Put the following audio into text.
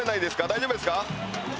大丈夫ですか？